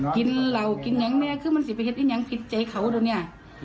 กินเหล้ากินอย่างแน่คือมันสิเป็นเหตุที่ยังผิดใจเขาด้วยเนี่ย